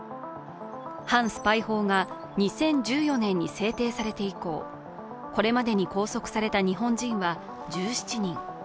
反スパイ法が２０１４年に制定されて以降、これまでに拘束された日本人は１７人。